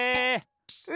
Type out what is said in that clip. え！